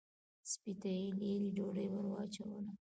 سپۍ ته یې لېرې ډوډۍ ور واچوله.